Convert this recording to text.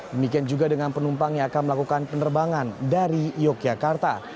demikian juga dengan penumpang yang akan melakukan penerbangan dari yogyakarta